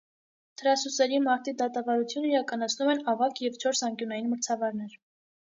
Թրասուսերի մարտի դատավարությունը իրականացնում են ավագ և չորս անկյունային մրցավարներ։